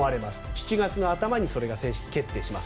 ７月の頭にそれが正式決定します。